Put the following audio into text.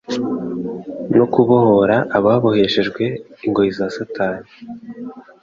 no kubohora ababoheshejwe ingoyi za Satani.